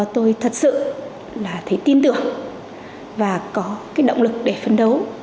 tôi thật sự thấy tin tưởng và có động lực để phấn đấu